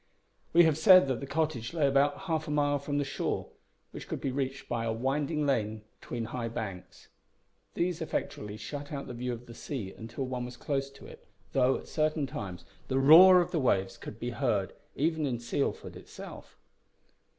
We have said that the cottage lay about half a mile from the shore, which could be reached by a winding lane between high banks. These effectually shut out the view of the sea until one was close to it, though, at certain times, the roar of the waves could be heard even in Sealford itself.